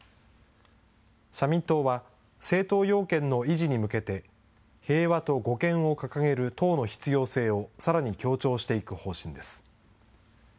社民党は、政党要件の維持に向けて、平和と護憲を掲げる党の必要性をさらに強調していく方針です。